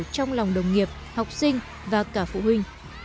trong lòng đồng nghiệp học sinh và cả phụ huynh